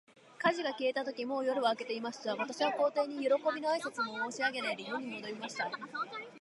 火事が消えたとき、もう夜は明けていました。私は皇帝に、よろこびの挨拶も申し上げないで、家に戻りました。